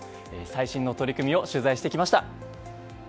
最新の取り組みを取材してきました。